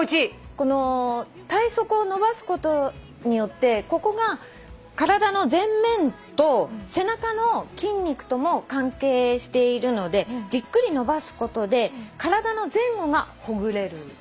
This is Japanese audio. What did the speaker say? この体側を伸ばすことによってここが体の前面と背中の筋肉とも関係しているのでじっくり伸ばすことで体の前後がほぐれるのね。